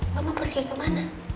mba mau pergi kemana